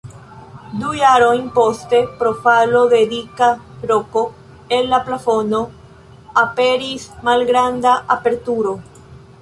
Du jarojn poste, pro falo de dika roko el la plafono, aperis malgranda aperturo.